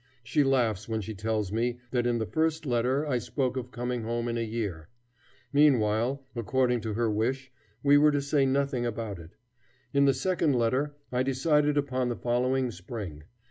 She laughs when she tells me that in the first letter I spoke of coming home in a year. Meanwhile, according to her wish, we were to say nothing about it. In the second letter I decided upon the following spring.